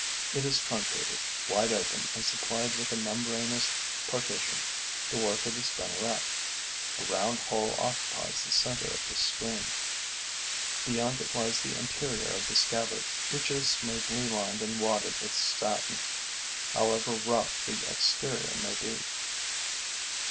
It is truncated, wide open and supplied with a membranous partition, the work of the spinneret. A round hole occupies the center of this screen. Beyond it lies the interior of the scabbard, which is smoothly lined and wadded with satin, however rough the exterior may be.